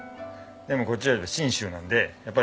でもこっちは信州なんでやっぱりわさびでしょ。